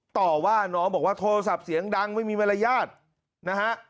ต่อว่าน้องบอกว่าโทรศัพท์เสียงดังไม่มีมารยาทนะฮะ